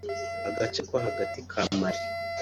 agace ko hagati ka Mali